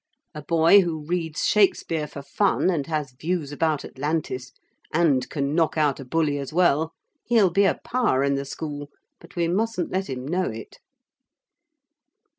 A boy who reads Shakespeare for fun, and has views about Atlantis, and can knock out a bully as well.... He'll be a power in the school. But we mustn't let him know it.'